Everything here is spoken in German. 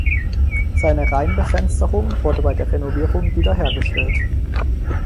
Seine Reihenbefensterung wurde bei der Renovierung wieder hergestellt.